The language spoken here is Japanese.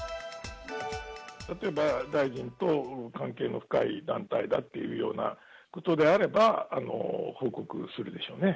例えば大臣と関係の深い団体だっていうようなことであれば、報告するでしょうね。